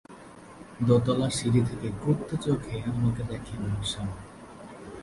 দোতলার সিঁড়ি থেকে ক্রুদ্ধ চোখে আমাকে দেখেন আমার স্বামী।